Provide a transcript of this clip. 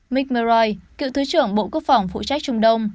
mick melroy cựu thứ trưởng bộ quốc phòng phụ trách trung đông